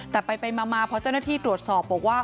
แต่ไปมาพอเจ้าหน้าที่ตรวจสอบบอกว่า